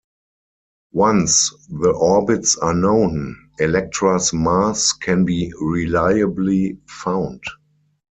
Once the orbits are known, Elektra's mass can be reliably found.